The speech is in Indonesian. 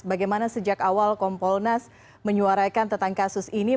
bagaimana sejak awal kompolnas menyuarakan tentang kasus ini